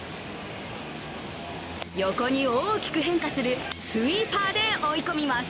横に大きく変化するスイーパーで追い込みます。